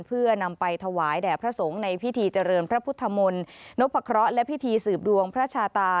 เพื่อนำไปถวายแด่พระสงฆ์ในพิธีเจริญพระพุทธมนต์นพะเคราะห์และพิธีสืบดวงพระชาตา